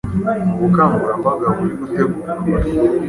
mu bukangurambaga buri gutegurwa,